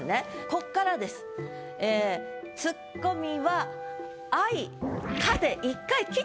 こっからです「ツッコミは愛か」で。